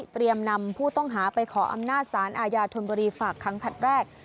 เตรียมนำผู้ต้องหาไปขออำนาจศาลอาญาธนกรีฝากครั้งแรก